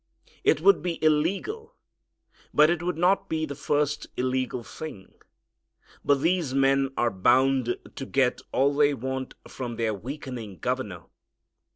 It would be illegal, but it would not be the first illegal thing. But these men are bound to get all they want from their weakening governor.